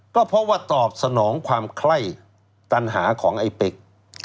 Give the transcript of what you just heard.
ก็เพราะว่าตอบสนองความไข้ตันหาของไอ้เป๊ก